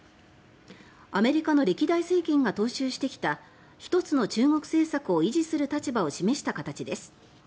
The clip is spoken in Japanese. アメリカの歴代政権が踏襲してきた一つの中国政策を維持する立場を示した形です。